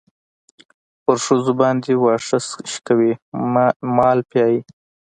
پر ښځو باندې واښه شکوي مال پيايي.